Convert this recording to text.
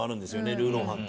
ルーロー飯って。